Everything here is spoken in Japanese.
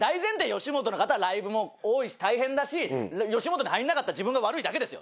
吉本の方はライブも多いし大変だし吉本に入んなかった自分が悪いだけですよ。